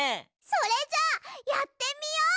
それじゃあやってみよう。